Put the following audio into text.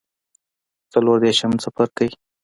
څلور دیرشم څپرکی